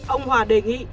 ông hòa đề nghị